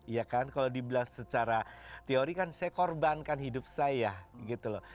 iya kan kalau dibilang secara teori kan saya korbankan hidup saya gitu loh